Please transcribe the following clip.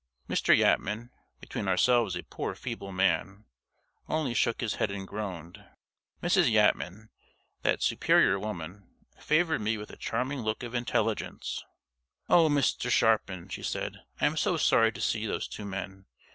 Mr. Yatman (between ourselves, a poor, feeble man) only shook his head and groaned. Mrs. Yatman (that superior woman) favored me with a charming look of intelligence. "Oh, Mr. Sharpin!" she said, "I am so sorry to see those two men!